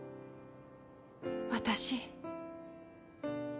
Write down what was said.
私。